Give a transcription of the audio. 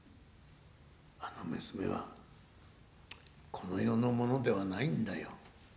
「あの娘はこの世のものではないんだよ」。